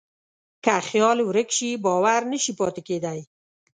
که خیال ورک شي، باور نهشي پاتې کېدی.